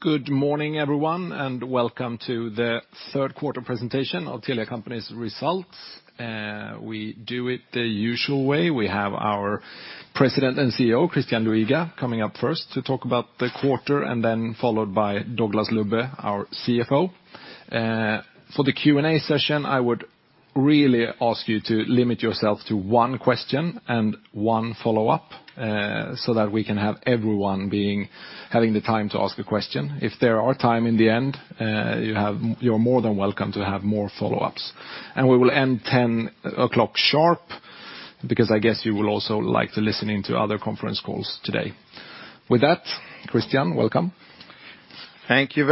Good morning, everyone, and welcome to the third quarter presentation of Telia Company's results. We do it the usual way. We have our President and CEO, Christian Luiga, coming up first to talk about the quarter, then followed by Douglas Lubbe, our CFO. For the Q&A session, I would really ask you to limit yourself to one question and one follow-up, so that we can have everyone having the time to ask a question. If there are time in the end, you're more than welcome to have more follow-ups. We will end 10:00 A.M. sharp because I guess you will also like to listen in to other conference calls today. With that, Christian, welcome. Thank you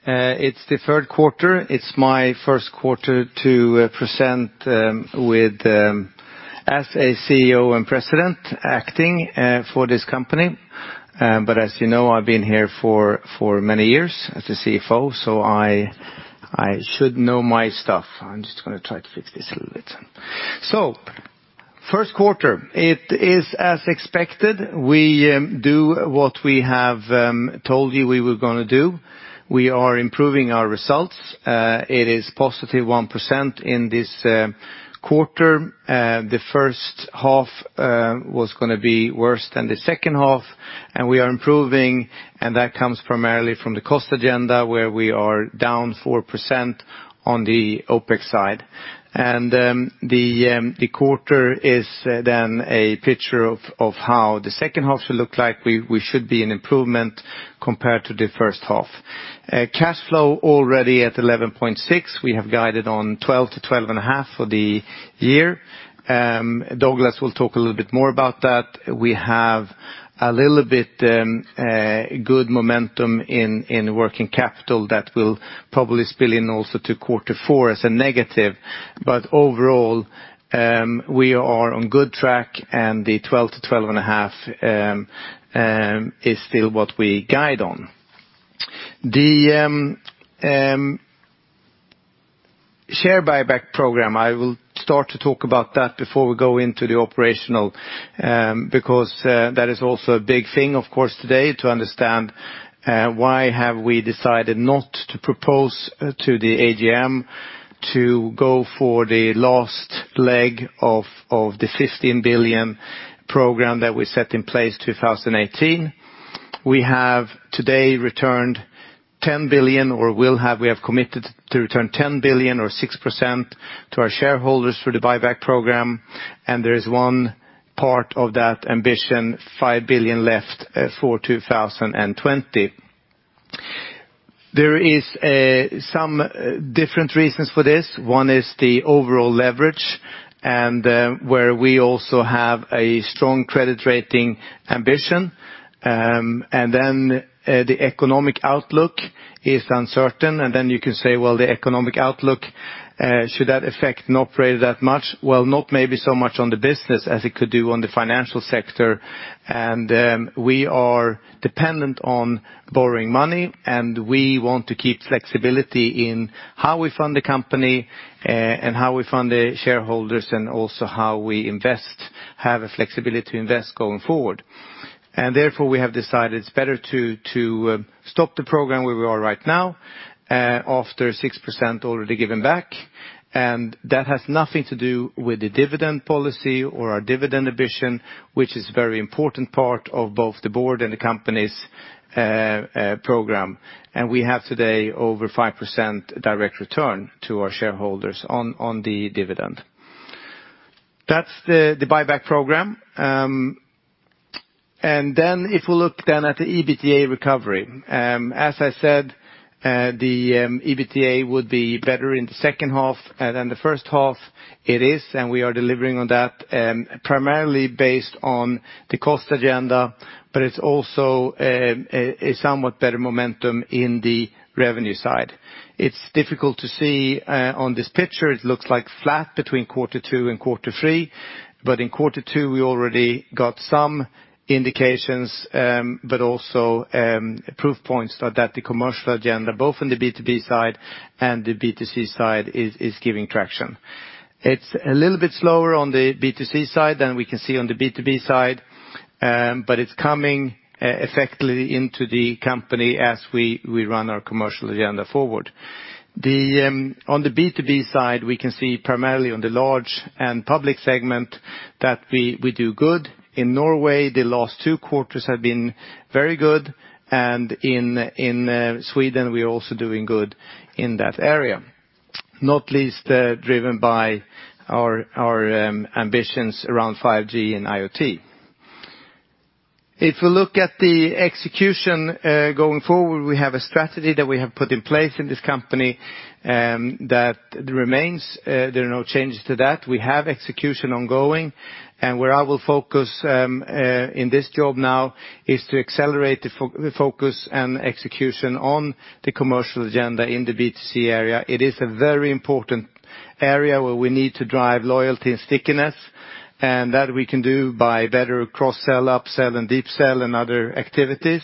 very much. Good morning, everyone, and welcome to Telia. It is the third quarter. It is my first quarter to present as a CEO and President acting for this company. As you know, I have been here for many years as a CFO, so I should know my stuff. I am just going to try to fix this a little bit. First quarter. It is as expected. We do what we have told you we were going to do. We are improving our results. It is positive 1% in this quarter. The first half was going to be worse than the second half, and we are improving, and that comes primarily from the cost agenda, where we are down 4% on the OpEx side. The quarter is then a picture of how the second half will look like. We should be an improvement compared to the first half. Cash flow already at 11.6. We have guided on 12-12.5 for the year. Douglas will talk a little bit more about that. We have a little bit good momentum in working capital that will probably spill in also to quarter four as a negative. Overall, we are on good track, and the 12-12.5 is still what we guide on. The share buyback program, I will start to talk about that before we go into the operational, because that is also a big thing, of course, today to understand why have we decided not to propose to the AGM to go for the last leg of the 15 billion program that we set in place 2018. We have today returned 10 billion, or will have. We have committed to return 10 billion or 6% to our shareholders through the buyback program. There is one part of that ambition, 5 billion left for 2020. There is some different reasons for this. One is the overall leverage and where we also have a strong credit rating ambition. The economic outlook is uncertain. You can say, well, the economic outlook, should that affect an operator that much? Well, not maybe so much on the business as it could do on the financial sector. We are dependent on borrowing money, and we want to keep flexibility in how we fund the company and how we fund the shareholders and also how we invest, have a flexibility to invest going forward. Therefore, we have decided it's better to stop the program where we are right now, after 6% already given back. That has nothing to do with the dividend policy or our dividend ambition, which is a very important part of both the board and the company's program. We have today over 5% direct return to our shareholders on the dividend. That's the buyback program. If we look then at the EBITDA recovery, as I said, the EBITDA would be better in the second half than the first half. It is, and we are delivering on that, primarily based on the cost agenda, but it's also a somewhat better momentum in the revenue side. It's difficult to see on this picture. It looks like flat between quarter 2 and quarter 3, but in quarter 2, we already got some indications, but also proof points that the commercial agenda, both in the B2B side and the B2C side, is giving traction. It's a little bit slower on the B2C side than we can see on the B2B side, but it's coming effectively into the company as we run our commercial agenda forward. On the B2B side, we can see primarily on the large and public segment that we do good. In Norway, the last two quarters have been very good, and in Sweden, we're also doing good in that area, not least driven by our ambitions around 5G and IoT. If we look at the execution going forward, we have a strategy that we have put in place in this company that remains. There are no changes to that. We have execution ongoing, and where I will focus in this job now is to accelerate the focus and execution on the commercial agenda in the B2C area. It is a very important area where we need to drive loyalty and stickiness, and that we can do by better cross-sell, up-sell and deep sell and other activities.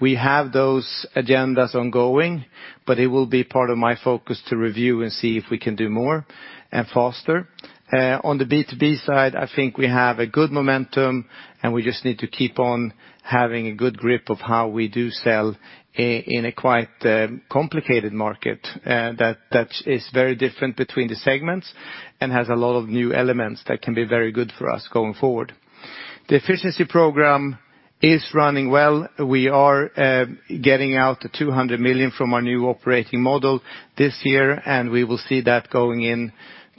We have those agendas ongoing. It will be part of my focus to review and see if we can do more and faster. On the B2B side, I think we have a good momentum. We just need to keep on having a good grip of how we do sell in a quite complicated market that is very different between the segments and has a lot of new elements that can be very good for us going forward. The efficiency program is running well. We are getting out the 200 million from our new operating model this year. We will see that going into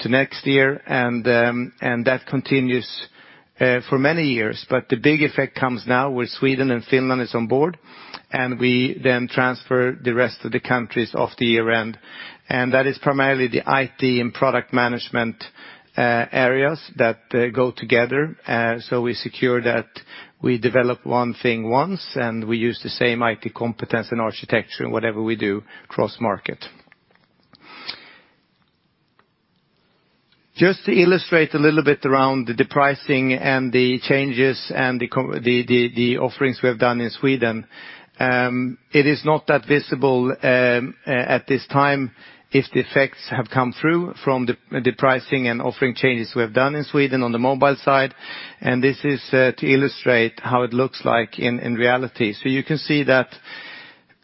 next year. That continues for many years. The big effect comes now with Sweden and Finland is on board, and we then transfer the rest of the countries of the year-end. That is primarily the IT and product management areas that go together. We secure that we develop one thing once, and we use the same IT competence and architecture in whatever we do cross-market. Just to illustrate a little bit around the pricing and the changes and the offerings we have done in Sweden. It is not that visible at this time if the effects have come through from the pricing and offering changes we have done in Sweden on the mobile side. This is to illustrate how it looks like in reality. You can see that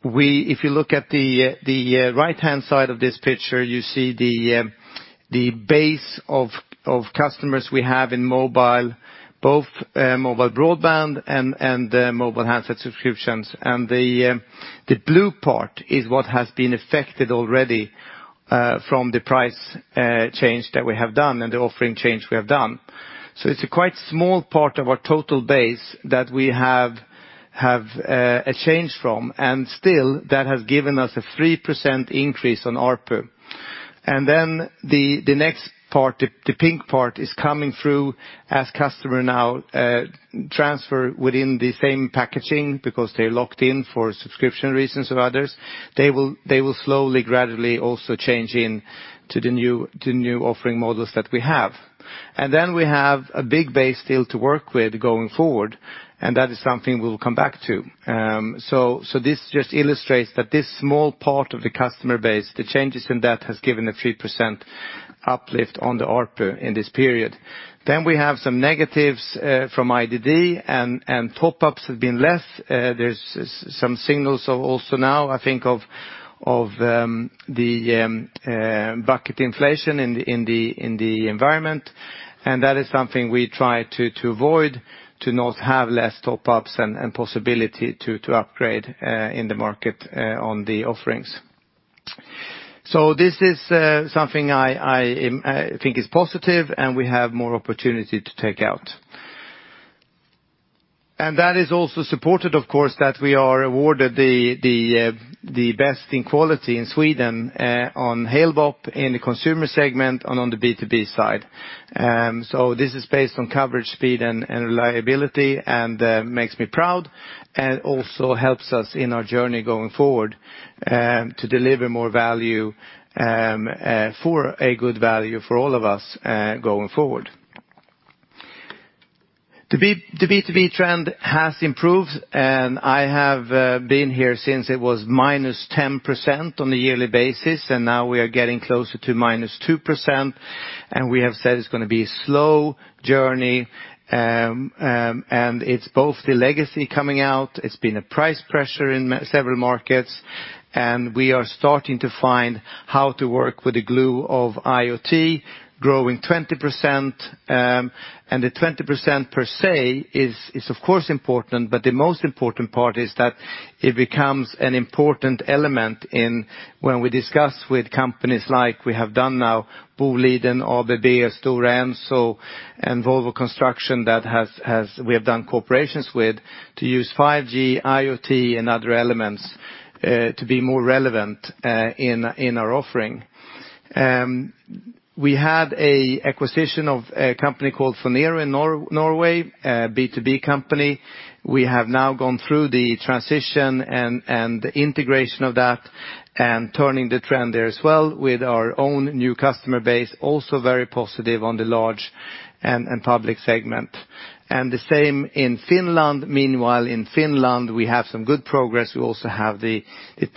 if you look at the right-hand side of this picture, you see the base of customers we have in mobile, both mobile broadband and mobile handset subscriptions. The blue part is what has been affected already from the price change that we have done and the offering change we have done. It's a quite small part of our total base that we have a change from, and still, that has given us a 3% increase on ARPU. The next part, the pink part, is coming through as customer now transfer within the same packaging because they're locked in for subscription reasons of others. They will slowly, gradually also change into the new offering models that we have. Then we have a big base still to work with going forward, and that is something we'll come back to. This just illustrates that this small part of the customer base, the changes in that has given a 3% uplift on the ARPU in this period. We have some negatives from IDD and top-ups have been less. There is some signals also now, I think of the bucket inflation in the environment, and that is something we try to avoid, to not have less top-ups and possibility to upgrade in the market on the offerings. This is something I think is positive and we have more opportunity to take out. That is also supported, of course, that we are awarded the best in quality in Sweden on Halebop in the consumer segment and on the B2B side. This is based on coverage, speed, and reliability and makes me proud and also helps us in our journey going forward to deliver more value for a good value for all of us going forward. The B2B trend has improved, and I have been here since it was -10% on a yearly basis, and now we are getting closer to -2%, and we have said it's going to be a slow journey. It's both the legacy coming out. It's been a price pressure in several markets, and we are starting to find how to work with the glue of IoT growing 20%. The 20% per se is of course important, but the most important part is that it becomes an important element when we discuss with companies like we have done now, Boliden, ABB, Stora Enso, and Volvo Construction that we have done corporations with to use 5G, IoT, and other elements to be more relevant in our offering. We had an acquisition of a company called Phonero in Norway, a B2B company. We have now gone through the transition and the integration of that and turning the trend there as well with our own new customer base, also very positive on the large and public segment. The same in Finland. Meanwhile, in Finland, we have some good progress. We also have the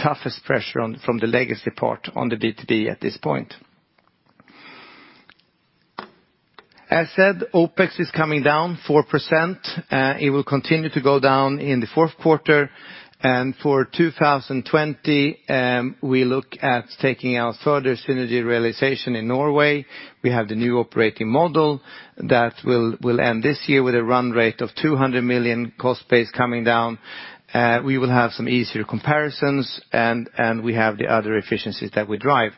toughest pressure from the legacy part on the B2B at this point. As said, OpEx is coming down 4%. It will continue to go down in the fourth quarter. For 2020, we look at taking our further synergy realization in Norway. We have the new operating model that will end this year with a run rate of 200 million cost base coming down. We will have some easier comparisons, and we have the other efficiencies that we drive.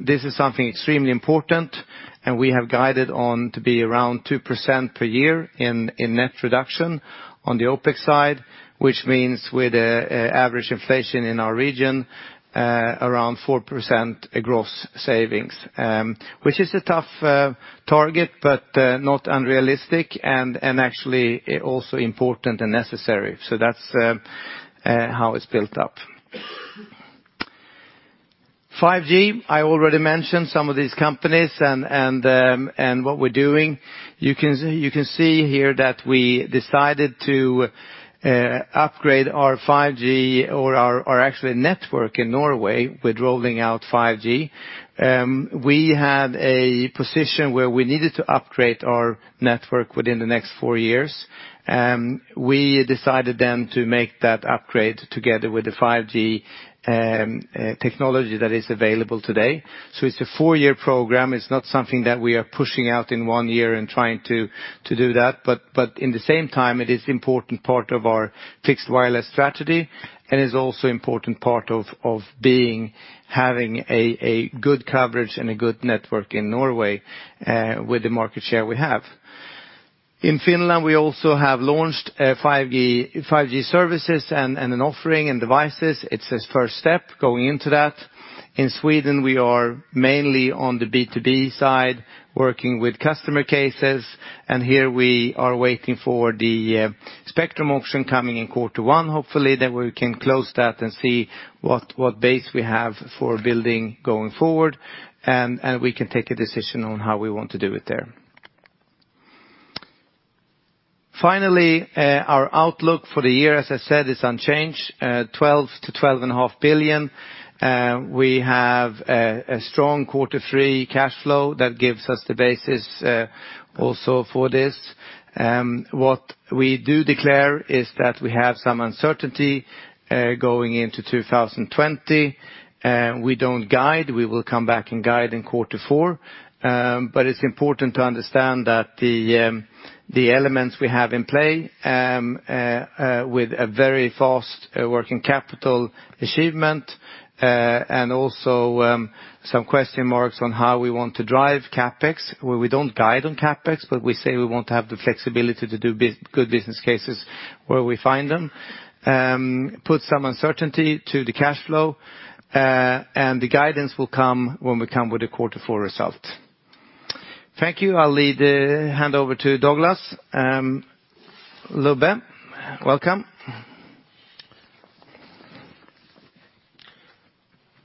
This is something extremely important, and we have guided on to be around 2% per year in net reduction on the OpEx side, which means with average inflation in our region around 4% gross savings. Which is a tough target, but not unrealistic and actually also important and necessary. That's how it's built up. 5G, I already mentioned some of these companies and what we're doing. You can see here that we decided to upgrade our 5G, or our actual network in Norway with rolling out 5G. We had a position where we needed to upgrade our network within the next four years. We decided to make that upgrade together with the 5G technology that is available today. It's a four-year program. It's not something that we are pushing out in one year and trying to do that. In the same time, it is important part of our fixed wireless strategy and is also important part of having a good coverage and a good network in Norway with the market share we have. In Finland, we also have launched 5G services and an offering and devices. It's its first step going into that. In Sweden, we are mainly on the B2B side, working with customer cases. Here we are waiting for the spectrum auction coming in quarter one, hopefully. We can close that and see what base we have for building going forward, and we can take a decision on how we want to do it there. Finally, our outlook for the year, as I said, is unchanged, 12 billion to 12.5 billion. We have a strong quarter three cash flow that gives us the basis also for this. What we do declare is that we have some uncertainty going into 2020. We don't guide. We will come back and guide in quarter four. It's important to understand that the elements we have in play with a very fast working capital achievement, and also some question marks on how we want to drive CapEx, where we don't guide on CapEx, but we say we want to have the flexibility to do good business cases where we find them, put some uncertainty to the cash flow, and the guidance will come when we come with the quarter four result. Thank you. I'll hand over to Douglas. Lubbe, welcome.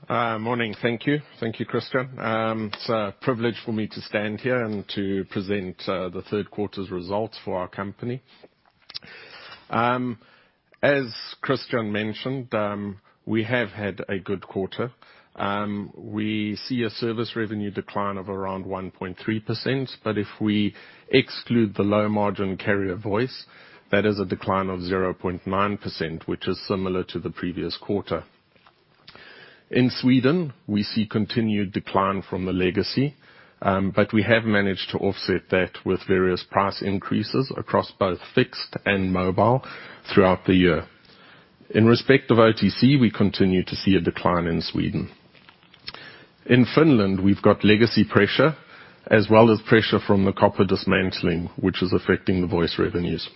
Morning. Thank you. Thank you, Christian. It's a privilege for me to stand here and to present the third quarter's results for our company. As Christian mentioned, we have had a good quarter. We see a service revenue decline of around 1.3%, but if we exclude the low-margin carrier voice, that is a decline of 0.9%, which is similar to the previous quarter. In Sweden, we see continued decline from the legacy, but we have managed to offset that with various price increases across both fixed and mobile throughout the year. In respect of OTC, we continue to see a decline in Sweden. In Finland, we've got legacy pressure as well as pressure from the copper dismantling, which is affecting the voice revenues.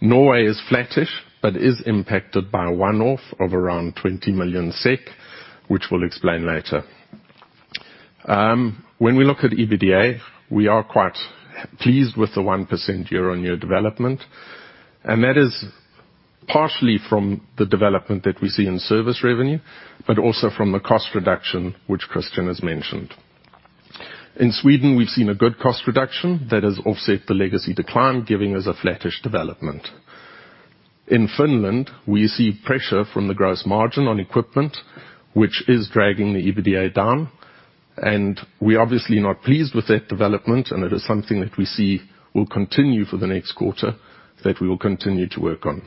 Norway is flattish, but is impacted by a one-off of around 20 million SEK, which we'll explain later. When we look at EBITDA, we are quite pleased with the 1% year-on-year development, and that is partially from the development that we see in service revenue, but also from the cost reduction, which Christian has mentioned. In Sweden, we've seen a good cost reduction that has offset the legacy decline, giving us a flattish development. In Finland, we see pressure from the gross margin on equipment, which is dragging the EBITDA down, and we're obviously not pleased with that development, and it is something that we see will continue for the next quarter that we will continue to work on.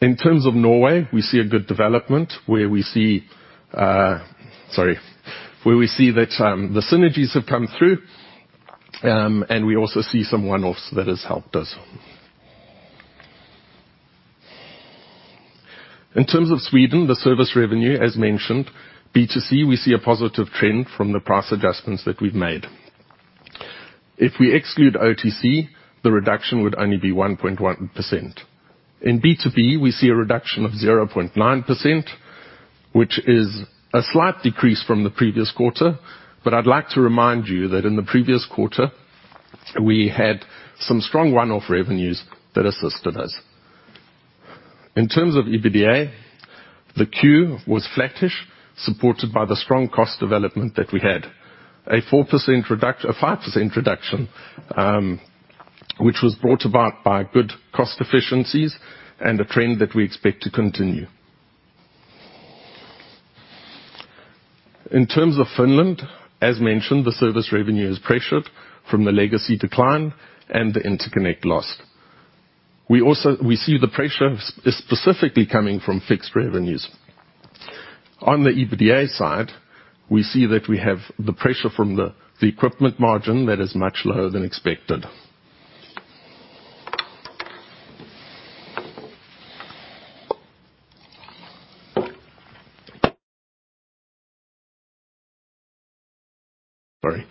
In terms of Norway, we see a good development where we see that the synergies have come through, and we also see some one-offs that has helped us. In terms of Sweden, the service revenue, as mentioned, B2C, we see a positive trend from the price adjustments that we've made. If we exclude OTC, the reduction would only be 1.1%. In B2B, we see a reduction of 0.9%, which is a slight decrease from the previous quarter, but I'd like to remind you that in the previous quarter, we had some strong one-off revenues that assisted us. In terms of EBITDA, the Q was flattish, supported by the strong cost development that we had. A 5% reduction, which was brought about by good cost efficiencies and a trend that we expect to continue. In terms of Finland, as mentioned, the service revenue is pressured from the legacy decline and the interconnect loss. We see the pressure is specifically coming from fixed revenues. On the EBITDA side, we see that we have the pressure from the equipment margin that is much lower than expected. Sorry.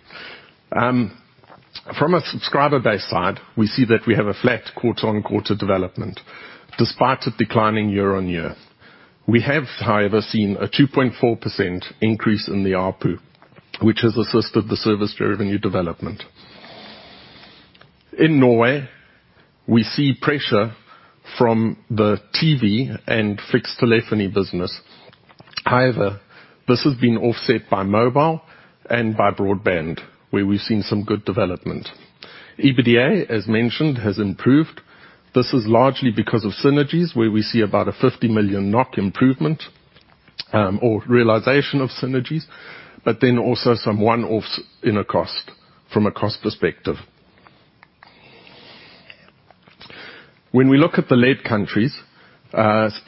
From a subscriber base side, we see that we have a flat quarter-on-quarter development, despite it declining year-on-year. We have, however, seen a 2.4% increase in the ARPU, which has assisted the service revenue development. In Norway, we see pressure from the TV and fixed telephony business. This has been offset by mobile and by broadband, where we've seen some good development. EBITDA, as mentioned, has improved. This is largely because of synergies where we see about a 50 million NOK improvement, or realization of synergies, but then also some one-offs in a cost from a cost perspective. When we look at the lead countries,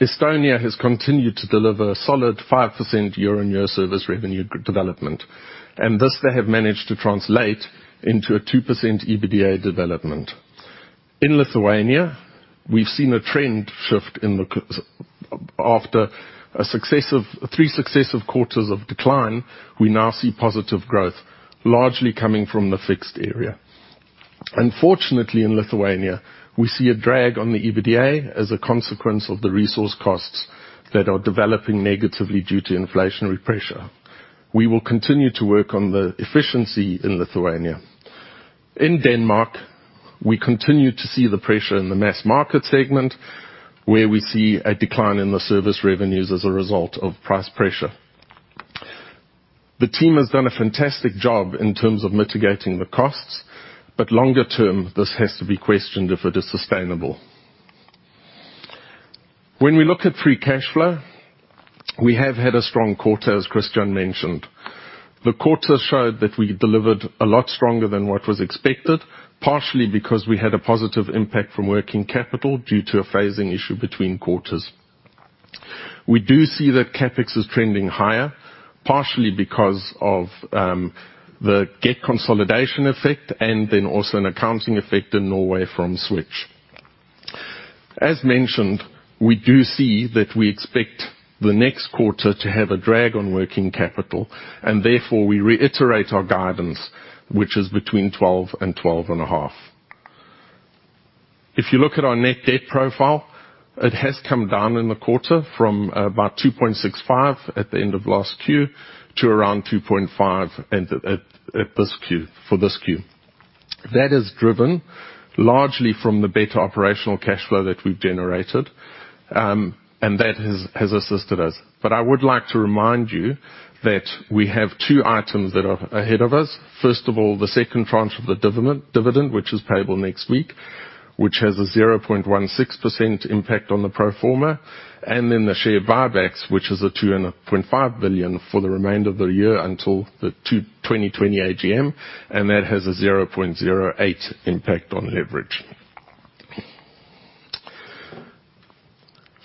Estonia has continued to deliver a solid 5% year-on-year service revenue development, and this they have managed to translate into a 2% EBITDA development. In Lithuania, we've seen a trend shift. After three successive quarters of decline, we now see positive growth, largely coming from the fixed area. Unfortunately, in Lithuania, we see a drag on the EBITDA as a consequence of the resource costs that are developing negatively due to inflationary pressure. We will continue to work on the efficiency in Lithuania. In Denmark, we continue to see the pressure in the mass market segment, where we see a decline in the service revenues as a result of price pressure. The team has done a fantastic job in terms of mitigating the costs, but longer term, this has to be questioned if it is sustainable. When we look at free cash flow, we have had a strong quarter, as Christian mentioned. The quarter showed that we delivered a lot stronger than what was expected, partially because we had a positive impact from working capital due to a phasing issue between quarters. We do see that CapEx is trending higher, partially because of the Get consolidation effect, and then also an accounting effect in Norway from Switch. As mentioned, we do see that we expect the next quarter to have a drag on working capital, therefore we reiterate our guidance, which is between 12 and 12.5. If you look at our net debt profile, it has come down in the quarter from about 2.65 at the end of last Q to around 2.5 for this Q. That is driven largely from the better operational cash flow that we've generated, that has assisted us. I would like to remind you that we have two items that are ahead of us. First of all, the second tranche of the dividend, which is payable next week, which has a 0.16% impact on the pro forma, and then the share buybacks, which is a 2.5 billion for the remainder of the year until the 2020 AGM, and that has a 0.08% impact on leverage.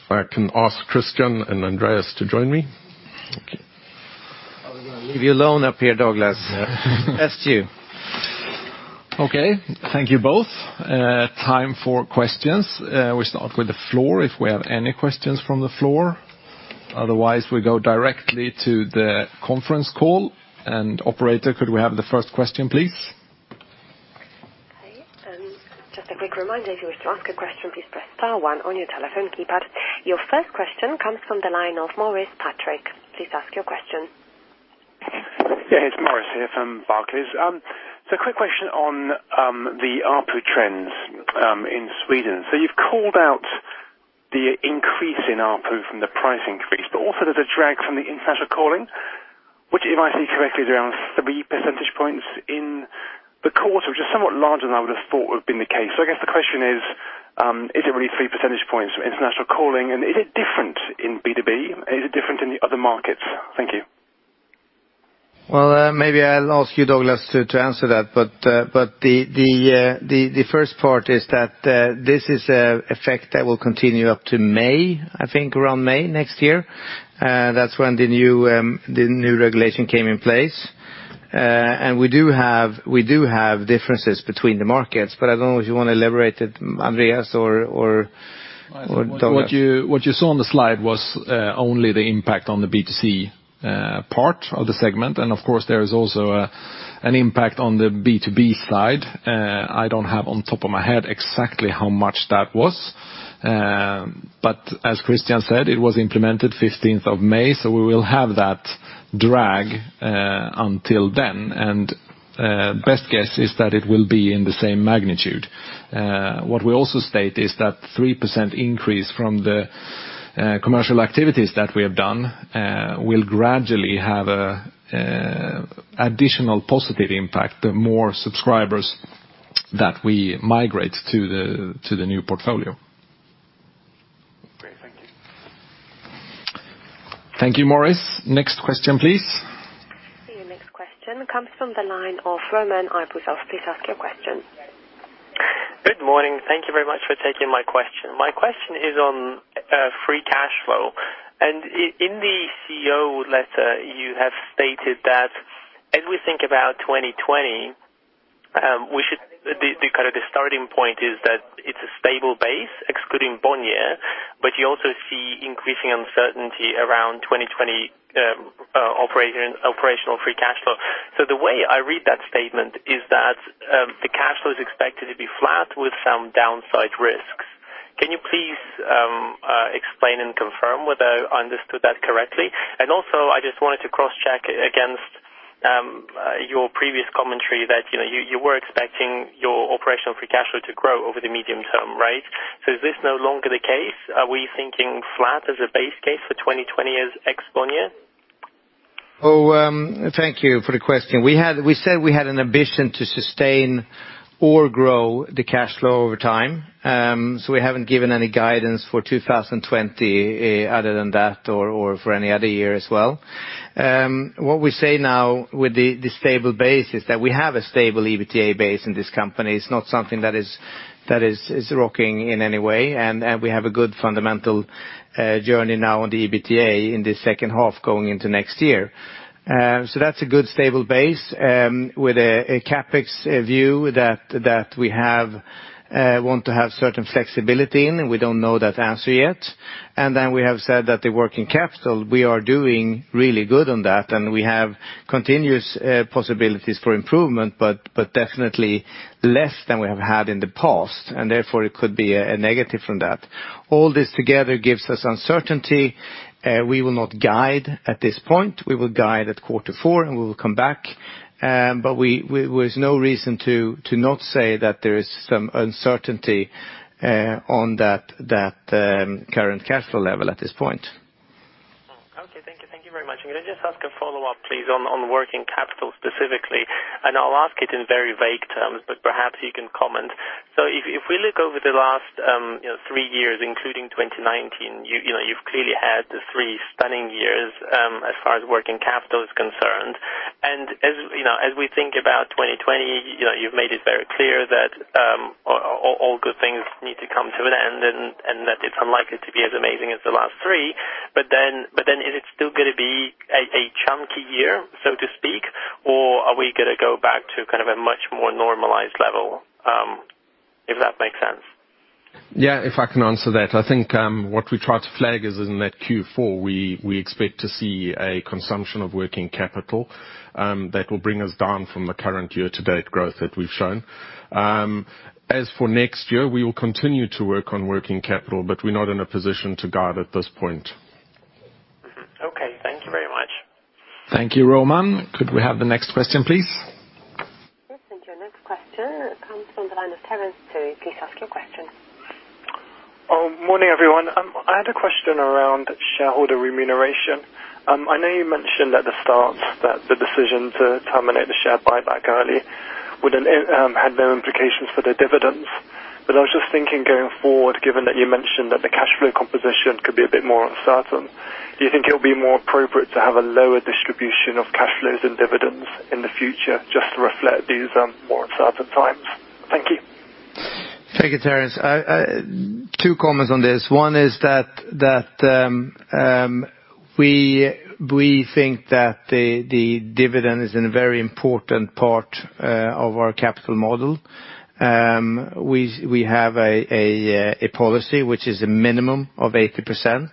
If I can ask Christian and Andreas to join me. Okay. I was going to leave you alone up here, Douglas. Yeah. That's you. Okay. Thank you both. Time for questions. We start with the floor, if we have any questions from the floor. Otherwise, we go directly to the conference call. Operator, could we have the first question, please? Okay. Just a quick reminder, if you wish to ask a question, please press star 1 on your telephone keypad. Your first question comes from the line of Maurice Patrick. Please ask your question. Yeah. It's Maurice here from Barclays. Quick question on the ARPU trends in Sweden. You've called out the increase in ARPU from the price increase, but also there's a drag from the international calling, which if I see correctly, is around three percentage points in the quarter, which is somewhat larger than I would have thought would have been the case. I guess the question is it really three percentage points from international calling, and is it different in B2B? Is it different in the other markets? Thank you. Well, maybe I'll ask you, Douglas, to answer that, but the first part is that this is an effect that will continue up to May, I think around May next year. That's when the new regulation came in place. We do have differences between the markets, but I don't know if you want to elaborate it, Andreas or Douglas. What you saw on the slide was only the impact on the B2C part of the segment. Of course, there is also an impact on the B2B side. I don't have on top of my head exactly how much that was. As Christian said, it was implemented 15th of May, so we will have that drag until then, and best guess is that it will be in the same magnitude. What we also state is that 3% increase from the commercial activities that we have done will gradually have additional positive impact, the more subscribers that we migrate to the new portfolio. Great. Thank you. Thank you, Maurice. Next question, please. The next question comes from the line of Roman Arbuzov. Please ask your question. Good morning. Thank you very much for taking my question. My question is on free cash flow. In the CEO letter, you have stated that as we think about 2020, the starting point is that it's a stable base excluding Bonnier, but you also see increasing uncertainty around 2020 operational free cash flow. The way I read that statement is that the cash flow is expected to be flat with some downside risks. Can you please explain and confirm whether I understood that correctly? Also, I just wanted to cross-check against your previous commentary that you were expecting your operational free cash flow to grow over the medium term. Right? Is this no longer the case? Are we thinking flat as a base case for 2020 as ex Bonnier? Thank you for the question. We said we had an ambition to sustain or grow the cash flow over time. We haven't given any guidance for 2020 other than that or for any other year as well. What we say now with the stable base is that we have a stable EBITDA base in this company. It's not something that is rocking in any way. We have a good fundamental journey now on the EBITDA in the second half going into next year. That's a good stable base with a CapEx view that we want to have certain flexibility in. We don't know that answer yet. We have said that the working capital, we are doing really good on that, and we have continuous possibilities for improvement, but definitely less than we have had in the past, and therefore it could be a negative from that. All this together gives us uncertainty. We will not guide at this point. We will guide at quarter four, and we will come back. There is no reason to not say that there is some uncertainty on that current cash flow level at this point. Okay. Thank you. Thank you very much. Can I just ask a follow-up, please, on working capital specifically? I'll ask it in very vague terms, but perhaps you can comment. If we look over the last three years, including 2019, you've clearly had the three stunning years as far as working capital is concerned. As we think about 2020, you've made it very clear that all good things need to come to an end and that it's unlikely to be as amazing as the last three. Is it still going to be a chunky year, so to speak? Or are we going to go back to kind of a much more normalized level? If that makes sense. Yeah, if I can answer that. I think what we try to flag is in that Q4, we expect to see a consumption of working capital that will bring us down from the current year-to-date growth that we've shown. As for next year, we will continue to work on working capital, but we're not in a position to guide at this point. Okay. Thank you very much. Thank you, Roman. Could we have the next question, please? Yes. Your next question comes from the line of Terence Tsui. Please ask your question. Morning, everyone. I had a question around shareholder remuneration. I know you mentioned at the start that the decision to terminate the share buyback early had no implications for the dividends. I was just thinking, going forward, given that you mentioned that the cash flow composition could be a bit more uncertain, do you think it will be more appropriate to have a lower distribution of cash flows and dividends in the future just to reflect these more uncertain times? Thank you. Thank you, Terence. Two comments on this. One is that we think that the dividend is in a very important part of our capital model. We have a policy which is a minimum of 80%,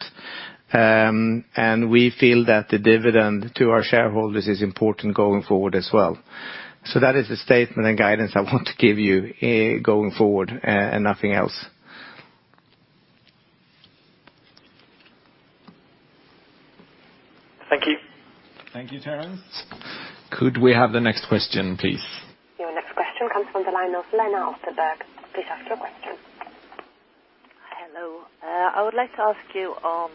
and we feel that the dividend to our shareholders is important going forward as well. That is a statement and guidance I want to give you going forward and nothing else. Thank you. Thank you, Terence. Could we have the next question, please? Your next question comes from the line of Lena Österberg. Please ask your question. Hello. I would like to ask you on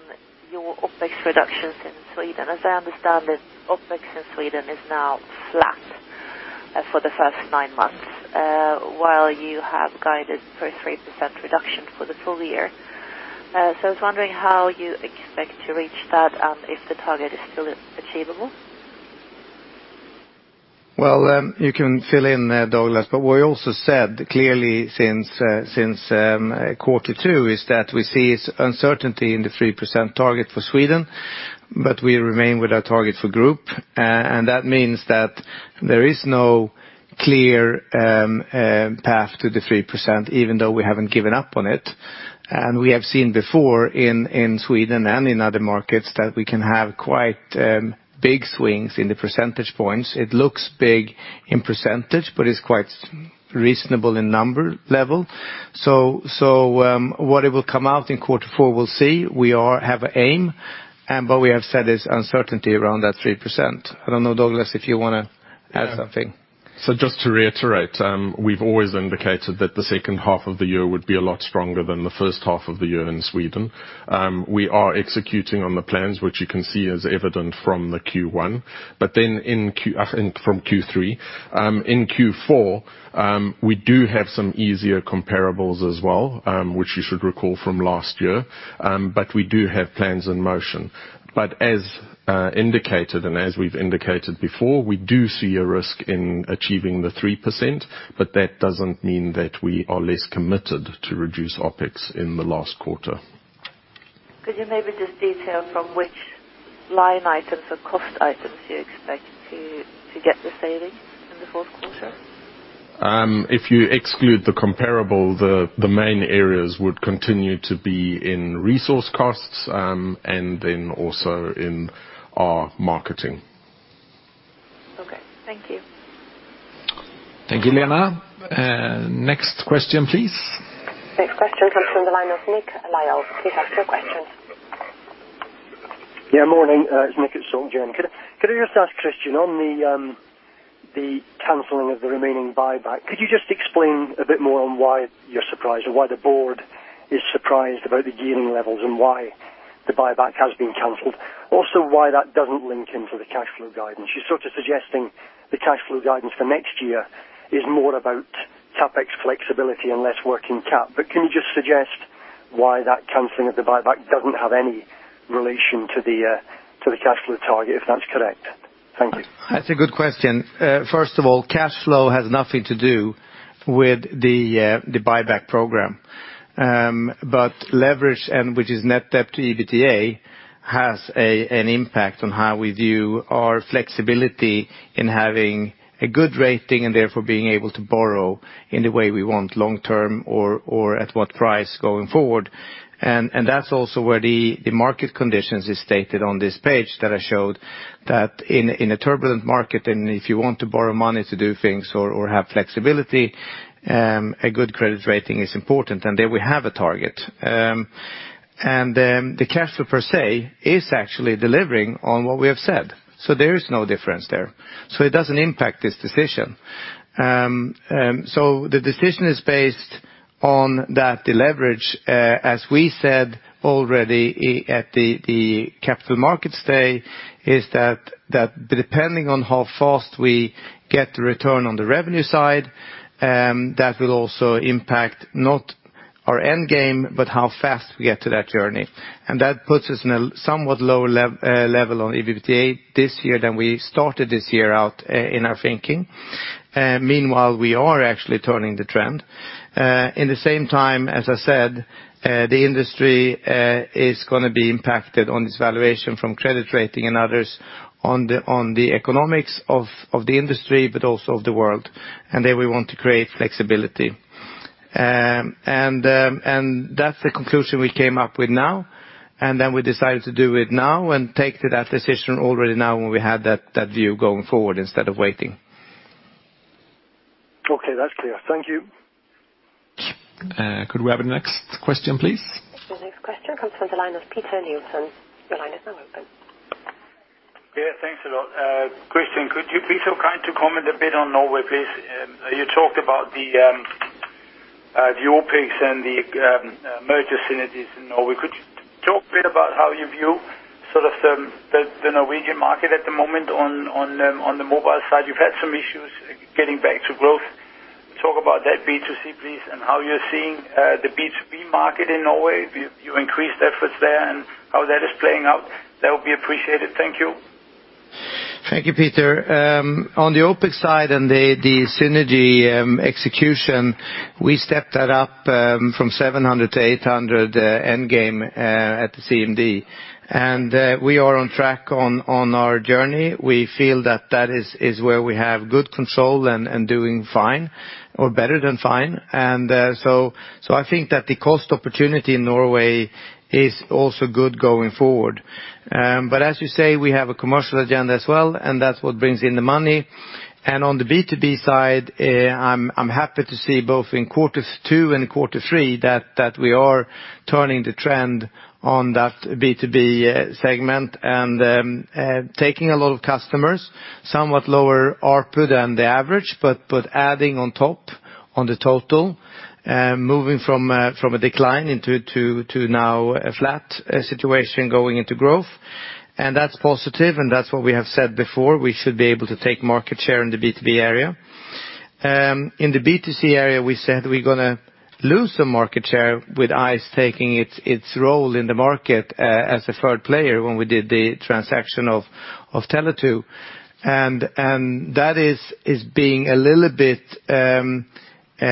your OpEx reductions in Sweden. As I understand it, OpEx in Sweden is now flat for the first nine months, while you have guided for a 3% reduction for the full year. I was wondering how you expect to reach that and if the target is still achievable. Well, you can fill in, Douglas, but we also said clearly since quarter two is that we see uncertainty in the 3% target for Sweden, but we remain with our target for Group. That means that there is no clear path to the 3%, even though we haven't given up on it. We have seen before in Sweden and in other markets that we can have quite big swings in the percentage points. It looks big in percentage, but it's quite reasonable in number level. What it will come out in quarter four, we'll see. We have an aim, but we have said there's uncertainty around that 3%. I don't know, Douglas, if you want to add something. Just to reiterate, we've always indicated that the second half of the year would be a lot stronger than the first half of the year in Sweden. We are executing on the plans, which you can see is evident from Q3. In Q4, we do have some easier comparables as well, which you should recall from last year. We do have plans in motion. As indicated and as we've indicated before, we do see a risk in achieving the 3%, but that doesn't mean that we are less committed to reduce OpEx in the last quarter. Could you maybe just detail from which line items or cost items you expect to get the savings in the fourth quarter? If you exclude the comparable, the main areas would continue to be in resource costs and then also in our marketing. Thank you. Thank you, Lena. Next question, please. Next question comes from the line of Nick Lyall. Please ask your question. Yeah, morning. It's Nick at SocGen. Could I just ask Christian, on the canceling of the remaining buyback, could you just explain a bit more on why you're surprised or why the board is surprised about the gearing levels and why the buyback has been canceled? Also, why that doesn't link into the cash flow guidance. You're sort of suggesting the cash flow guidance for next year is more about CapEx flexibility and less working cap. Can you just suggest why that canceling of the buyback doesn't have any relation to the cash flow target, if that's correct? Thank you. That's a good question. First of all, cash flow has nothing to do with the buyback program. Leverage, which is net debt to EBITDA, has an impact on how we view our flexibility in having a good rating and therefore being able to borrow in the way we want long-term or at what price going forward. That's also where the market conditions is stated on this page that I showed, that in a turbulent market, and if you want to borrow money to do things or have flexibility, a good credit rating is important. There we have a target. The cash flow per se is actually delivering on what we have said. There is no difference there. It doesn't impact this decision. The decision is based on that the leverage, as we said already at the Capital Markets Day, is that depending on how fast we get the return on the revenue side, that will also impact not our end game, but how fast we get to that journey. That puts us in a somewhat lower level on EBITDA this year than we started this year out in our thinking. Meanwhile, we are actually turning the trend. In the same time, as I said, the industry is going to be impacted on this valuation from credit rating and others on the economics of the industry, but also of the world. There we want to create flexibility. That's the conclusion we came up with now. We decided to do it now and take that decision already now when we have that view going forward instead of waiting. Okay. That's clear. Thank you. Could we have the next question, please? The next question comes from the line of Peter Nielsen. Your line is now open. Yeah, thanks a lot. Christian, could you be so kind to comment a bit on Norway, please? You talked about the OpEx and the merger synergies in Norway. Could you talk a bit about how you view the Norwegian market at the moment on the mobile side? You've had some issues getting back to growth. Talk about that B2C please, and how you're seeing the B2B market in Norway. You increased efforts there and how that is playing out. That would be appreciated. Thank you. Thank you, Peter. On the OpEx side and the synergy execution, we stepped that up from 700 to 800 endgame at the CMD. We are on track on our journey. We feel that that is where we have good control and doing fine or better than fine. I think that the cost opportunity in Norway is also good going forward. As you say, we have a commercial agenda as well, and that's what brings in the money. On the B2B side, I'm happy to see both in quarters 2 and quarter 3 that we are turning the trend on that B2B segment and taking a lot of customers, somewhat lower ARPU than the average, but adding on top on the total, moving from a decline into now a flat situation going into growth. That's positive, and that's what we have said before. We should be able to take market share in the B2B area. In the B2C area, we said we're going to lose some market share with ice taking its role in the market as a third player when we did the transaction of Tele2. They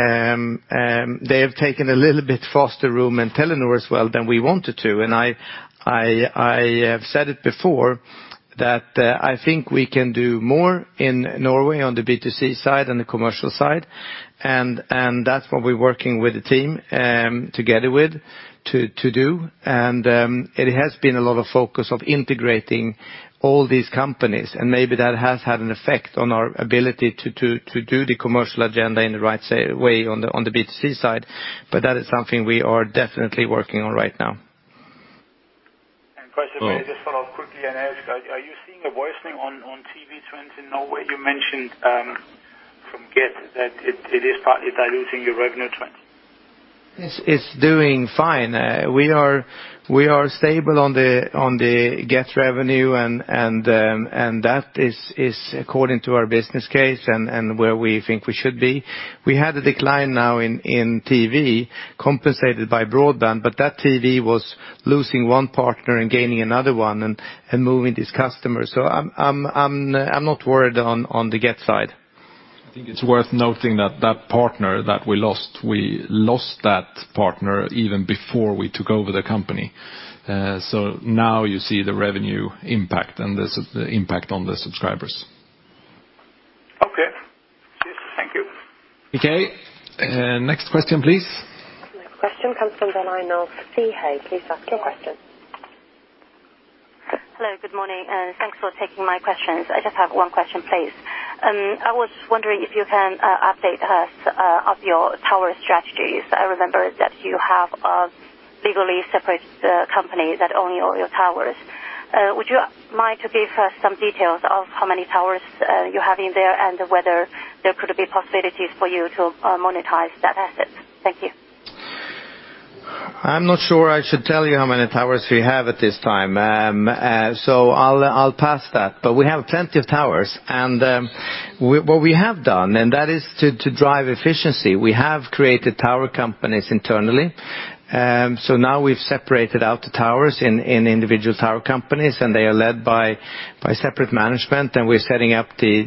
have taken a little bit faster room in Telenor as well than we wanted to. I have said it before that I think we can do more in Norway on the B2C side and the commercial side. That's what we're working with the team together with to do. It has been a lot of focus of integrating all these companies, and maybe that has had an effect on our ability to do the commercial agenda in the right way on the B2C side. That is something we are definitely working on right now. Christian, may I just follow up quickly and ask, are you seeing a worsening on TV trends in Norway? You mentioned from Get that it is partly diluting your revenue trends. It's doing fine. We are stable on the Get revenue, and that is according to our business case and where we think we should be. We had a decline now in TV compensated by broadband, but that TV was losing one partner and gaining another one and moving these customers. I'm not worried on the Get side. I think it's worth noting that that partner that we lost, we lost that partner even before we took over the company. Now you see the revenue impact and the impact on the subscribers. Okay. Okay. Next question, please. The next question comes from the line of Siyi He. Please ask your question. Hello. Good morning, and thanks for taking my questions. I just have one question, please. I was wondering if you can update us of your tower strategies. I remember that you have a legally separate company that own all your towers. Would you mind to give us some details of how many towers you have in there, and whether there could be possibilities for you to monetize that asset? Thank you. I'm not sure I should tell you how many towers we have at this time. I'll pass that. We have plenty of towers. What we have done, and that is to drive efficiency, we have created tower companies internally. Now we've separated out the towers in individual tower companies, and they are led by separate management, and we're setting up the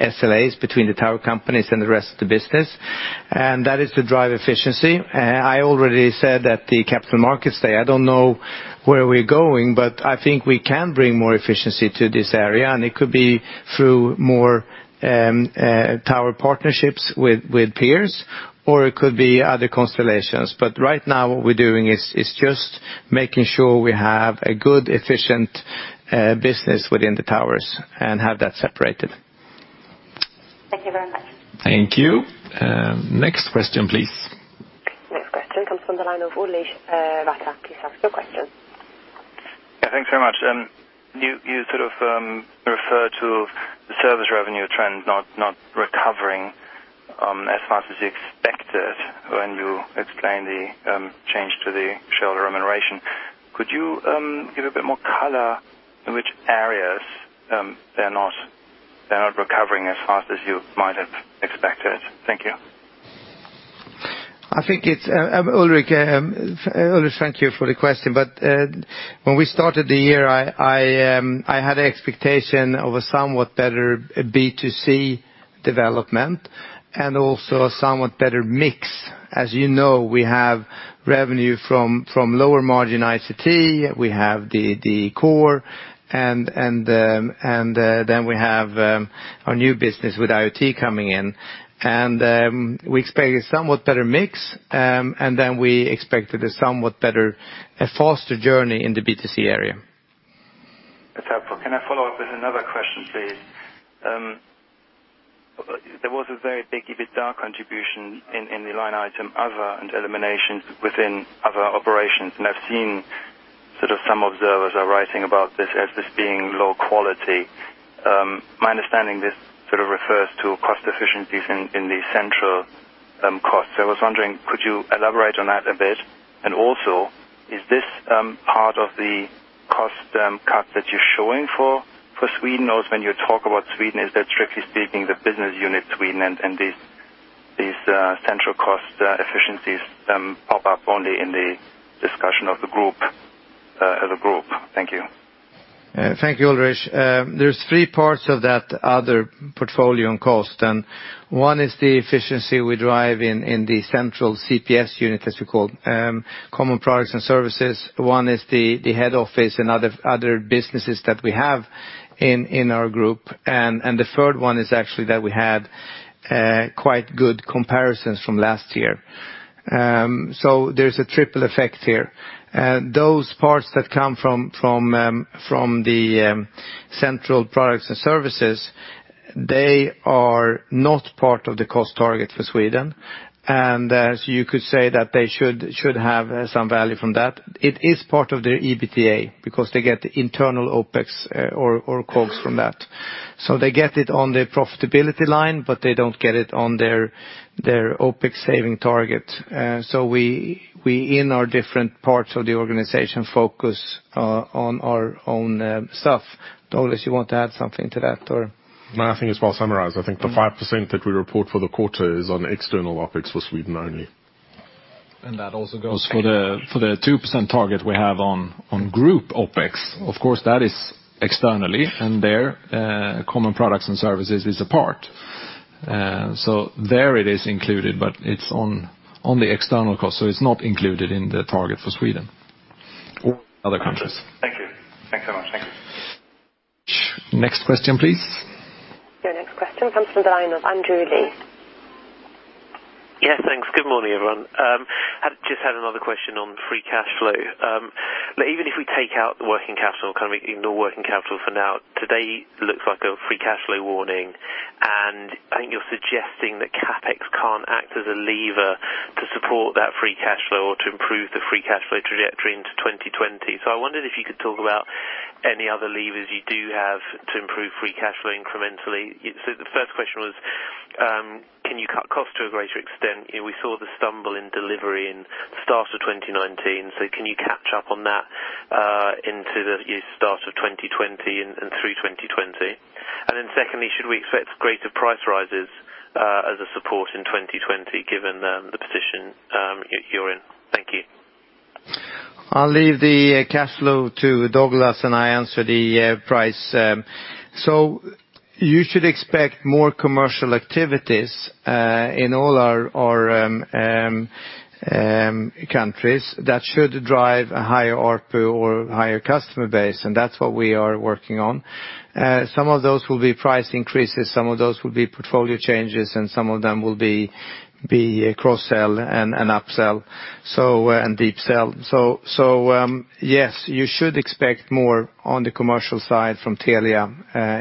SLAs between the tower companies and the rest of the business. That is to drive efficiency. I already said at the Capital Markets Day, I don't know where we're going, but I think we can bring more efficiency to this area, and it could be through more tower partnerships with peers, or it could be other constellations. Right now what we're doing is just making sure we have a good, efficient business within the towers and have that separated. Thank you very much. Thank you. Next question, please. Next question comes from the line of Ulrich Rathe. Please ask your question. Yeah. Thanks very much. You sort of refer to the service revenue trend not recovering as fast as you expected when you explain the change to the shareholder remuneration. Could you give a bit more color in which areas they're not recovering as fast as you might have expected? Thank you. Ulrich, thank you for the question. When we started the year, I had an expectation of a somewhat better B2C development and also a somewhat better mix. As you know, we have revenue from lower margin ICT, we have the core, and then we have our new business with IoT coming in. We expect a somewhat better mix, and then we expected a somewhat better, a faster journey in the B2C area. That's helpful. Can I follow up with another question, please? There was a very big EBITDA contribution in the line item other and eliminations within other operations, and I've seen some observers are writing about this as this being low quality. My understanding, this sort of refers to cost efficiencies in the central costs. I was wondering, could you elaborate on that a bit? Also, is this part of the cost cut that you're showing for Sweden? When you talk about Sweden, is that strictly speaking the business unit Sweden and these central cost efficiencies pop up only in the discussion of the group? Thank you. Thank you, Ulrich. There's three parts of that other portfolio and cost. One is the efficiency we drive in the central CPS unit, as we call, Common Products and Services. One is the head office and other businesses that we have in our group. The third one is actually that we had quite good comparisons from last year. There's a triple effect here. Those parts that come from the central products and services, they are not part of the cost target for Sweden. As you could say that they should have some value from that. It is part of their EBITDA because they get internal OpEx or COGS from that. They get it on their profitability line, but they don't get it on their OpEx saving target. We, in our different parts of the organization, focus on our own stuff. Douglas, you want to add something to that or? No, I think it's well summarized. I think the 5% that we report for the quarter is on external OpEx for Sweden only. That also goes for the 2% target we have on group OpEx. Of course, that is externally, and there Common Products and Services is a part. There it is included, but it's on the external cost. It's not included in the target for Sweden or other countries. Thank you. Thanks so much. Next question, please. Your next question comes from the line of Andrew Lee. Yeah, thanks. Good morning, everyone. I just had another question on free cash flow. Even if we take out the working capital, can we ignore working capital for now? Today looks like a free cash flow warning, I think you're suggesting that CapEx can't act as a lever to support that free cash flow or to improve the free cash flow trajectory into 2020. I wondered if you could talk about any other levers you do have to improve free cash flow incrementally. The first question was, can you cut costs to a greater extent? We saw the stumble in delivery in the start of 2019. Can you catch up on that into the start of 2020 and through 2020? Secondly, should we expect greater price rises as a support in 2020 given the position you're in? Thank you. I'll leave the cash flow to Douglas, and I answer the price. You should expect more commercial activities in all our countries that should drive a higher ARPU or higher customer base, and that's what we are working on. Some of those will be price increases, some of those will be portfolio changes, and some of them will be cross-sell and up-sell, and deep sell. Yes, you should expect more on the commercial side from Telia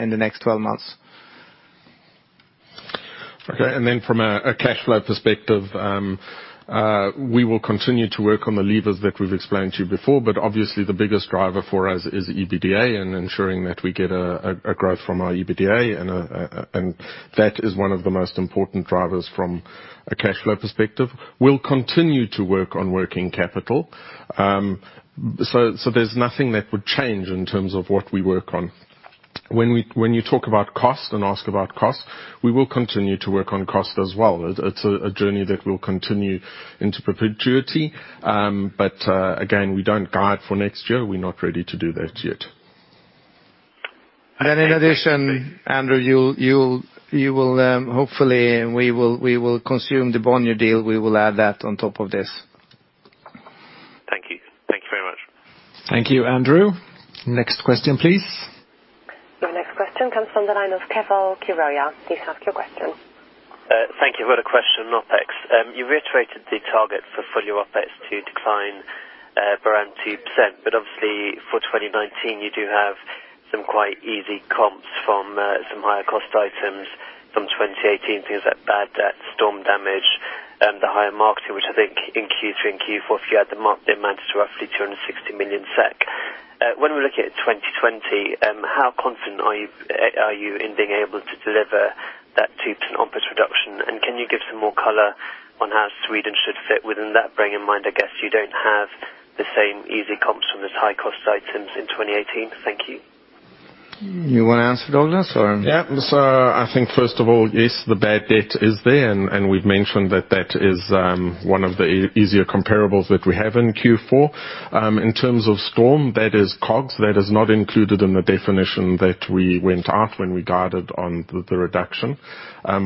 in the next 12 months. Okay. From a cash flow perspective, we will continue to work on the levers that we've explained to you before, obviously the biggest driver for us is the EBITDA and ensuring that we get a growth from our EBITDA, and that is one of the most important drivers from a cash flow perspective. We'll continue to work on working capital. There's nothing that would change in terms of what we work on. When you talk about cost and ask about cost, we will continue to work on cost as well. It's a journey that will continue into perpetuity. Again, we don't guide for next year. We're not ready to do that yet. In addition, Andrew, hopefully, we will consume the Bonnier deal. We will add that on top of this. Thank you. Thank you very much. Thank you, Andrew. Next question, please. Your next question comes from the line of Keval Khiroya. Please ask your question. Thank you. I've got a question on OpEx. You reiterated the target for full-year OpEx to decline around 2%. Obviously for 2019, you do have some quite easy comps from some higher cost items from 2018, things like bad debt, storm damage, the higher marketing, which I think in Q3 and Q4, if you add them up, they amount to roughly 260 million SEK. When we're looking at 2020, how confident are you in being able to deliver that 2% OpEx reduction? Can you give some more color on how Sweden should fit within that, bearing in mind, I guess you don't have the same easy comps from those high cost items in 2018. Thank you. You want to answer, Douglas? Yeah. I think first of all, yes, the bad debt is there, and we've mentioned that that is one of the easier comparables that we have in Q4. In terms of storm, that is COGS. That is not included in the definition that we went out when we guided on the reduction.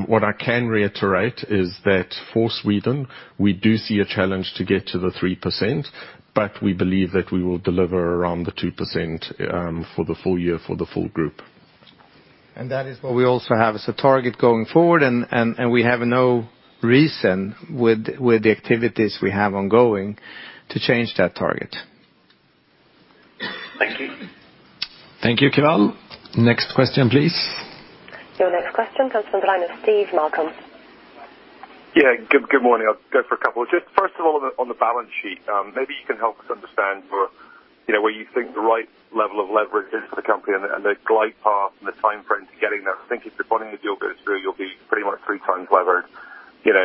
What I can reiterate is that for Sweden, we do see a challenge to get to the 3%, but we believe that we will deliver around the 2% for the full year for the full group. That is what we also have as a target going forward, and we have no reason with the activities we have ongoing to change that target. Thank you. Thank you, Keval. Next question, please. Your next question comes from the line of Steve Malcolm. Good morning. I will go for a couple. First of all, on the balance sheet. Maybe you can help us understand where you think the right level of leverage is for the company and the glide path and the timeframe to getting there. I think if the Bonnier deal goes through, you will be pretty much three times levered, give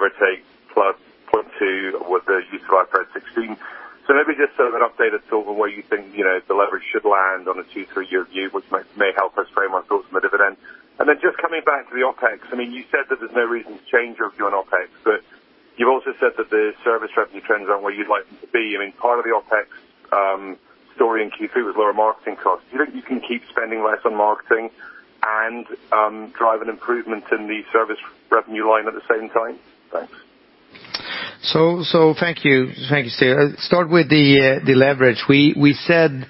or take plus 0.2 with the IFRS 16. Maybe sort of an updated thought on where you think the leverage should land on a two, three-year view, which may help us frame our thoughts on the dividend. Coming back to the OpEx. You said that there's no reason to change your view on OpEx. You also said that the service revenue trends aren't where you'd like them to be. Part of the OpEx story in Q3 was lower marketing costs. Do you think you can keep spending less on marketing and drive an improvement in the service revenue line at the same time? Thanks. Thank you, Steve. Start with the leverage. We said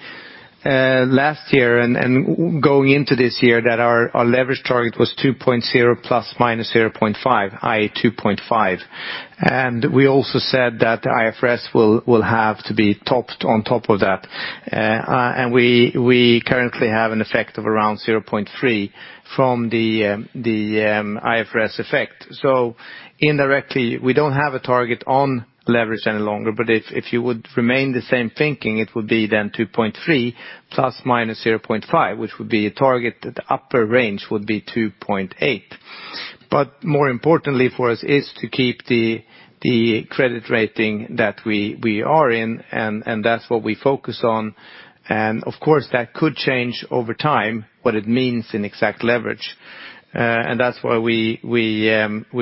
last year and going into this year that our leverage target was 2.0 ±0.5, i.e., 2.5. We also said that the IFRS will have to be topped on top of that. We currently have an effect of around 0.3 from the IFRS effect. Indirectly, we don't have a target on leverage any longer, but if you would remain the same thinking, it would be then 2.3 ±0.5, which would be a target at the upper range would be 2.8. More importantly for us is to keep the credit rating that we are in, and that's what we focus on. Of course, that could change over time, what it means in exact leverage. That's why we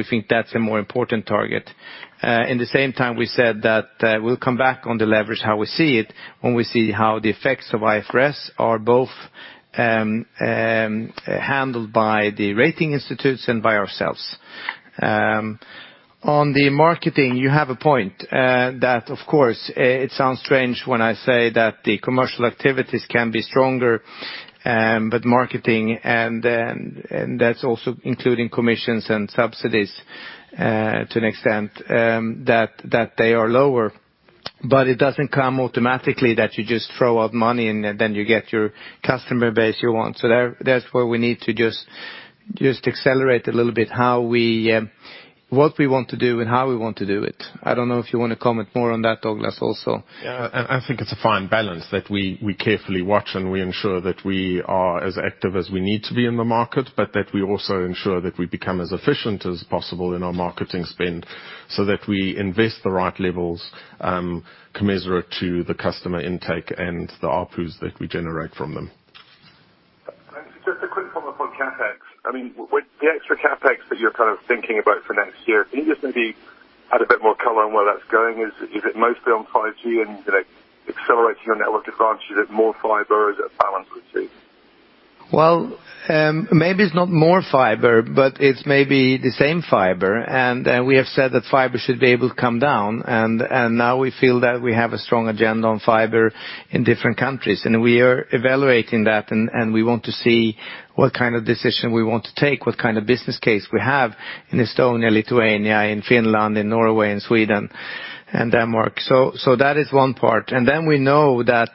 think that's a more important target. In the same time, we said that we will come back on the leverage, how we see it when we see how the effects of IFRS are both handled by the rating institutes and by ourselves. On the marketing, you have a point. That of course, it sounds strange when I say that the commercial activities can be stronger, but marketing, and that's also including commissions and subsidies to an extent, that they are lower. It doesn't come automatically that you just throw out money and then you get your customer base you want. That's where we need to just accelerate a little bit what we want to do and how we want to do it. I don't know if you want to comment more on that, Douglas, also. Yeah. I think it's a fine balance that we carefully watch, and we ensure that we are as active as we need to be in the market, but that we also ensure that we become as efficient as possible in our marketing spend so that we invest the right levels commensurate to the customer intake and the ARPUs that we generate from them. Thanks. Just a quick follow-up on CapEx. With the extra CapEx that you're thinking about for next year, add a bit more color on where that's going. Is it mostly on 5G and accelerating your network advantage? Is it more fiber? Is it a balance between? Maybe it's not more fiber, but it's maybe the same fiber. We have said that fiber should be able to come down, and now we feel that we have a strong agenda on fiber in different countries, and we are evaluating that, and we want to see what kind of decision we want to take, what kind of business case we have in Estonia, Lithuania, in Finland, in Norway, and Sweden, and Denmark. That is one part. Then we know that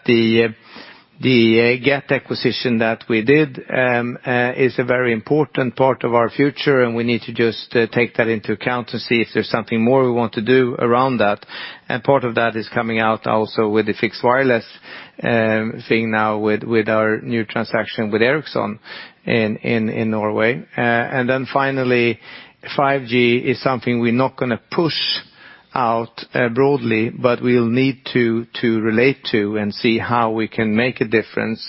the Get acquisition that we did is a very important part of our future, and we need to just take that into account to see if there's something more we want to do around that. Part of that is coming out also with the fixed wireless thing now with our new transaction with Ericsson in Norway. Finally, 5G is something we're not going to push out broadly, but we'll need to relate to and see how we can make a difference.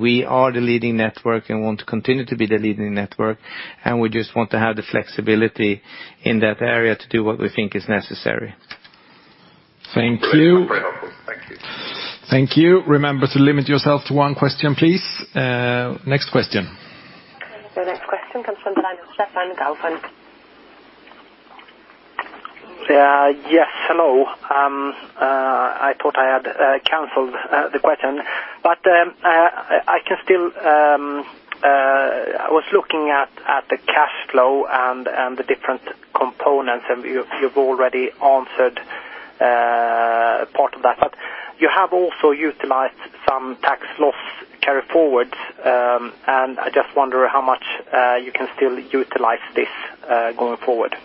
We are the leading network and want to continue to be the leading network, and we just want to have the flexibility in that area to do what we think is necessary. Thank you. Very helpful. Thank you. Thank you. Remember to limit yourself to one question, please. Next question. The next question comes from the line of Stefan Gauffin. Yes. Hello. I thought I had canceled the question. I was looking at the cash flow and the different components. You've already answered part of that. You have also utilized some tax loss carry-forwards. I just wonder how much you can still utilize this going forward.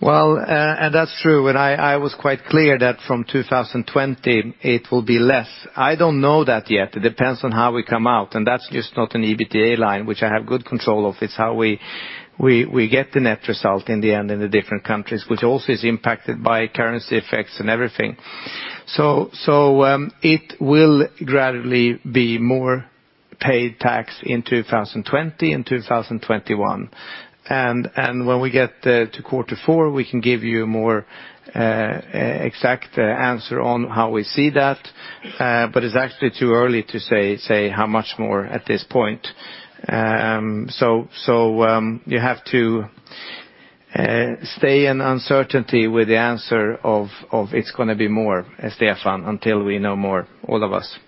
That's true, I was quite clear that from 2020 it will be less. I don't know that yet. It depends on how we come out, and that's just not an EBITDA line, which I have good control of. It's how we get the net result in the end in the different countries, which also is impacted by currency effects and everything. It will gradually be more paid tax in 2020 and 2021. When we get to quarter four, we can give you more exact answer on how we see that. It's actually too early to say how much more at this point. You have to stay in uncertainty with the answer of it's going to be more, Stefan, until we know more, all of us.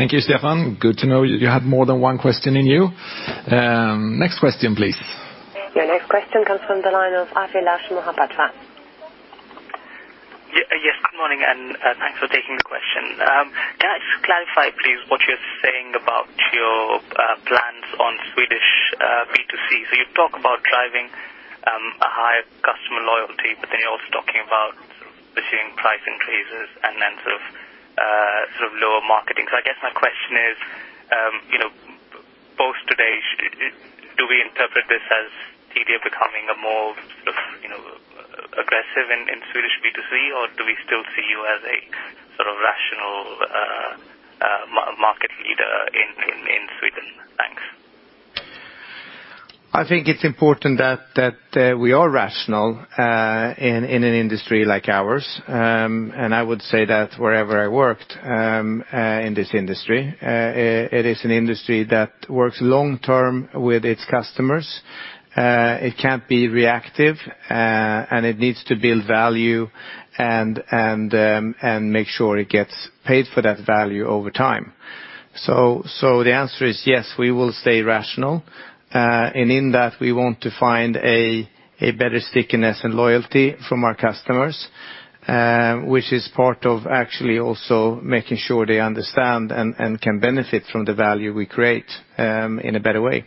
Okay. Thanks. Thank you, Stefan. Good to know you had more than one question in you. Next question, please. Your next question comes from the line of Abhilash Mohapatra. Good morning, and thanks for taking the question. Can I just clarify, please, what you're saying about your plans on Swedish B2C? You talk about driving a higher customer loyalty, but then you're also talking about pursuing price increases and then sort of lower marketing. I guess my question is, post today, do we interpret this as Telia becoming a more aggressive in Swedish B2C, or do we still see you as a sort of rational market leader in Sweden? Thanks. I think it's important that we are rational in an industry like ours. I would say that wherever I worked in this industry, it is an industry that works long-term with its customers. It can't be reactive, it needs to build value and make sure it gets paid for that value over time. The answer is yes, we will stay rational. In that, we want to find a better stickiness and loyalty from our customers, which is part of actually also making sure they understand and can benefit from the value we create in a better way.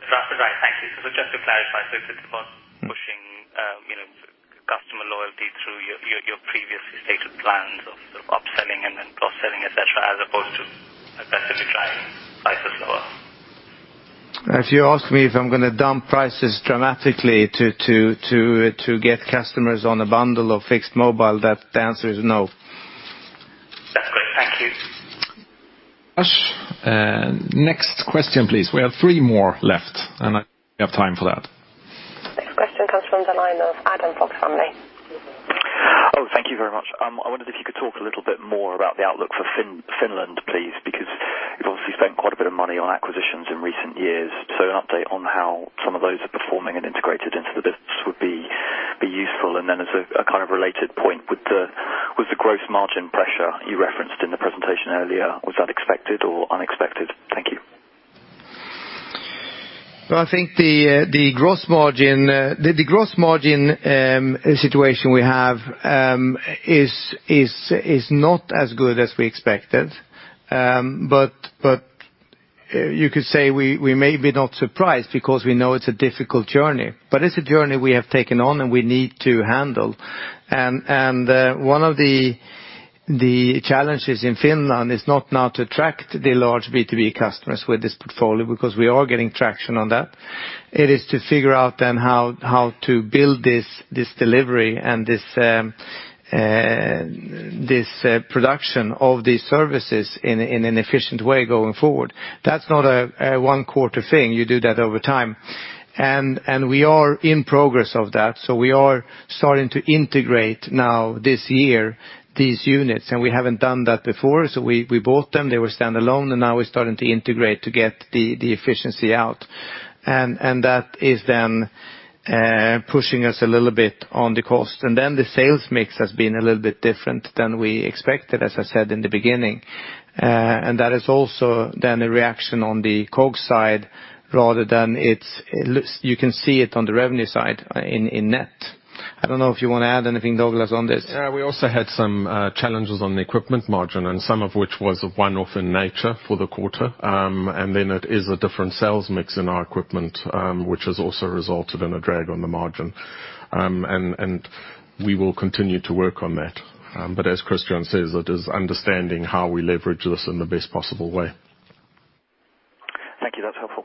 That's right. Thank you. Just to clarify, so it's about pushing customer loyalty through your previously stated plans of upselling and then cross-selling, et cetera, as opposed to aggressively driving prices lower. If you ask me if I'm going to dump prices dramatically to get customers on a bundle of fixed mobile, the answer is no. That's great. Thank you. Abhilash. Next question, please. We have three more left. I think we have time for that. Next question comes from the line of Adam Fox-Rumley. Oh, thank you very much. I wondered if you could talk a little bit more about the outlook for Finland, please, because you've obviously spent quite a bit of money on acquisitions in recent years. An update on how some of those are performing and integrated into the business would be useful. As a kind of related point, with the gross margin pressure you referenced in the presentation earlier, was that expected or unexpected? Thank you. Well, I think the gross margin situation we have is not as good as we expected. You could say we may be not surprised because we know it's a difficult journey. It's a journey we have taken on and we need to handle. One of the challenges in Finland is not now to attract the large B2B customers with this portfolio, because we are getting traction on that. It is to figure out then how to build this delivery and this production of these services in an efficient way going forward. That's not a one-quarter thing. You do that over time. We are in progress of that. We are starting to integrate now this year, these units, and we haven't done that before. We bought them, they were standalone, and now we're starting to integrate to get the efficiency out. That is then pushing us a little bit on the cost. The sales mix has been a little bit different than we expected, as I said in the beginning. That is also then a reaction on the COGS side rather than You can see it on the revenue side in net. I don't know if you want to add anything, Douglas, on this. We also had some challenges on the equipment margin, and some of which was a one-off in nature for the quarter. It is a different sales mix in our equipment, which has also resulted in a drag on the margin. We will continue to work on that. As Christian says, it is understanding how we leverage this in the best possible way. Thank you. That's helpful.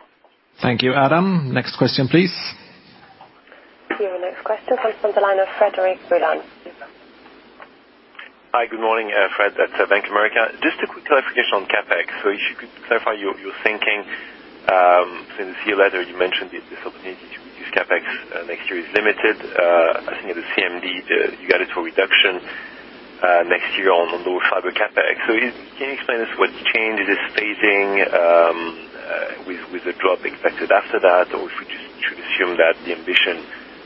Thank you, Adam. Next question, please. Your next question comes from the line of Frederic Boulan. Hi, good morning. Frederic at Bank of America. Just a quick clarification on CapEx. If you could clarify your thinking, since in your letter you mentioned this opportunity to reduce CapEx next year is limited. I think at the CMD, you guided for reduction next year on the low fiber CapEx. Can you explain to us what change is staging with the drop expected after that? If we just should assume that the ambition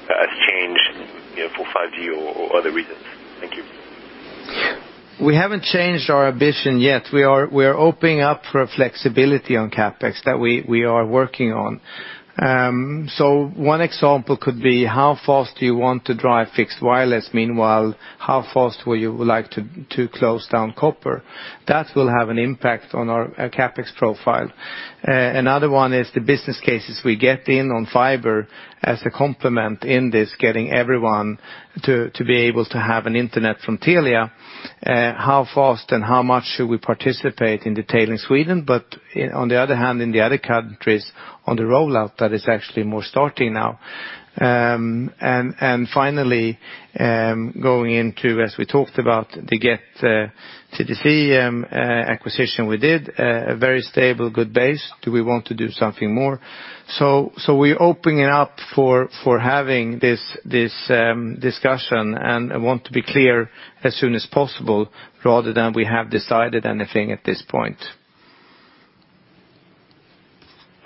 has changed for 5G or other reasons? Thank you. We haven't changed our ambition yet. We are opening up for flexibility on CapEx that we are working on. One example could be how fast do you want to drive fixed wireless, meanwhile, how fast would you like to close down copper? That will have an impact on our CapEx profile. Another one is the business cases we get in on fiber as a complement in this getting everyone to be able to have an internet from Telia. How fast and how much should we participate in detailing Sweden, but on the other hand, in the other countries on the rollout that is actually more starting now? Finally, going into, as we talked about, the Get TDC acquisition we did, a very stable good base. Do we want to do something more? We're opening it up for having this discussion. I want to be clear as soon as possible rather than we have decided anything at this point.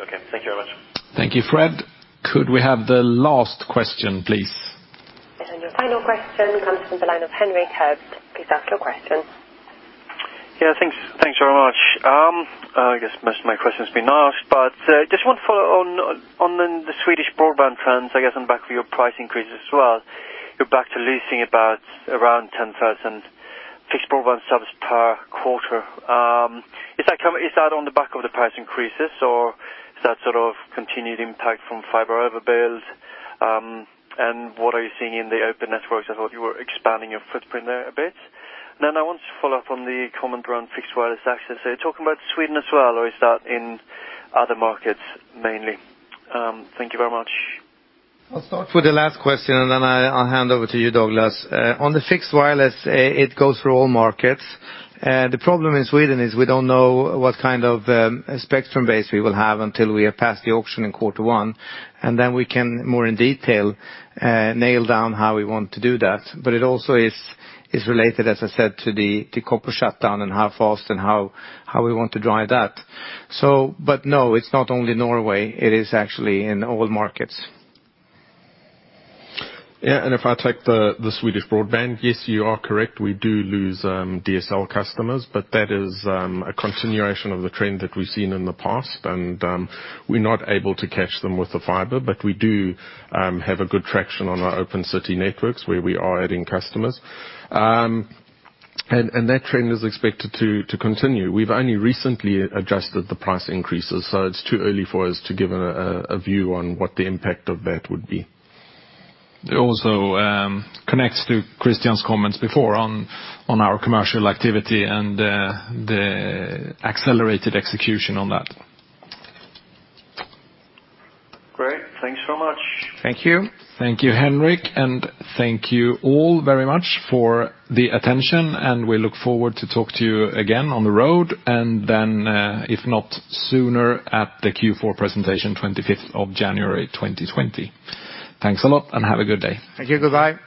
Okay. Thank you very much. Thank you, Frederic. Could we have the last question, please? Your final question comes from the line of Henrik Herbst. Please ask your question. Yeah, thanks very much. I guess most of my question's been asked, just one follow on the Swedish broadband trends, I guess on back of your price increase as well. You're back to losing about 10,000 fixed broadband subs per quarter. Is that on the back of the price increases, or is that sort of continued impact from fiber overbuild? What are you seeing in the open networks? I thought you were expanding your footprint there a bit. I want to follow up on the comment around fixed wireless access. Are you talking about Sweden as well, or is that in other markets mainly? Thank you very much. I'll start with the last question, and then I'll hand over to you, Douglas. On the fixed wireless, it goes for all markets. The problem in Sweden is we don't know what kind of spectrum base we will have until we are past the auction in quarter one, and then we can more in detail nail down how we want to do that. It also is related, as I said, to the copper shutdown and how fast and how we want to drive that. No, it's not only Norway. It is actually in all markets. Yeah, if I take the Swedish broadband, yes, you are correct. We do lose DSL customers, but that is a continuation of the trend that we've seen in the past, and we're not able to catch them with the fiber. We do have a good traction on our open city networks where we are adding customers. That trend is expected to continue. We've only recently adjusted the price increases, so it's too early for us to give a view on what the impact of that would be. It also connects to Christian's comments before on our commercial activity and the accelerated execution on that. Great. Thanks so much. Thank you. Thank you, Henrik, and thank you all very much for the attention, and we look forward to talk to you again on the road, and then, if not sooner, at the Q4 presentation, 25th of January 2020. Thanks a lot, and have a good day. Thank you. Goodbye.